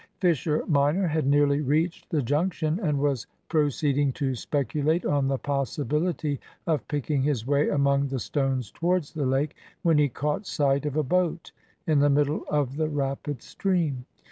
Fisher minor had nearly reached the junction, and was proceeding to speculate on the possibility of picking his way among the stones towards the lake, when he caught sight of a boat in the middle of the rapid stream.